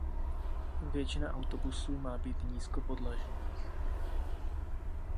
Většina autobusů má být nízkopodlažních.